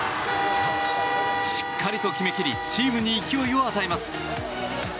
しっかりと決め切りチームに勢いを与えます。